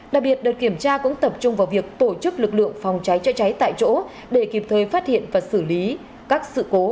đặc biệt đợt kiểm tra cũng tập trung vào việc tổ chức lực lượng phòng cháy chữa cháy tại chỗ để kịp thời phát hiện và xử lý các sự cố